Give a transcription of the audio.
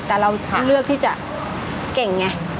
แต่เราเลือกที่จะเก่งไง